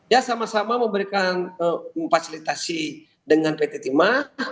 ya sama sama memberikan memfasilitasi dengan pt timah